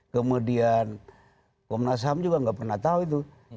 kemudian komenasaham juga tidak pernah tahu itu